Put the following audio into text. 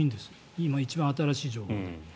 今、一番新しい情報で。